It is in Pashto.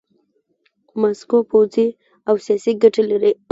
ماسکو پوځي او سیاسي ګټې لري.